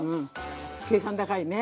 計算高いね。